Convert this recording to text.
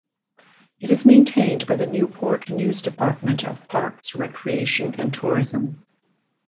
It is maintained by the Newport News Department of Parks, Recreation and Tourism.